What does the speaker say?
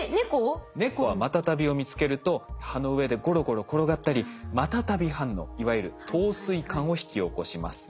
猫はマタタビを見つけると葉の上でゴロゴロ転がったりマタタビ反応いわゆる陶酔感を引き起こします。